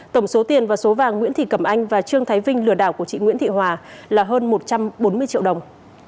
tổng số tiền và số vàng nguyễn thị cẩm anh và trương thái vinh lừa đảo của chị nguyễn thị hòa là hơn một trăm bốn mươi triệu đồng